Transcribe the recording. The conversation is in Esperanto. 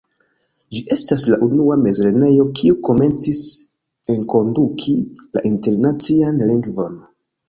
Ĝi estas la unua mezlernejo kiu komencis enkonduki la internacian lingvon.